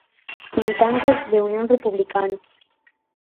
Militante de Unión Republicana.